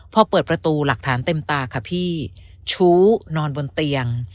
พอเปิดประตูหลักฐานเต็มตาค่ะพี่ชู้นอนบนเตียง